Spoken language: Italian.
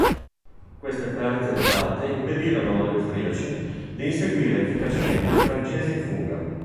Queste perdite elevate impedirono agli austriaci di inseguire efficacemente i francesi in fuga.